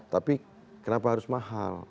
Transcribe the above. tapi kenapa harus mahal